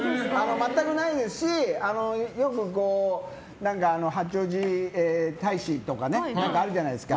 全くないですしよく八王子大使とかあるじゃないですか。